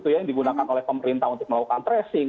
yang digunakan oleh pemerintah untuk melakukan tracing